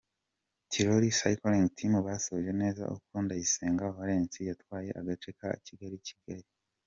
Tirol Cycling Team basoje neza kuko Ndayisenga Valens yatwaye agace ka Kigali-Kigali.